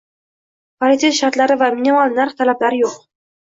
Paritet shartlari va minimal narx talablari yo'q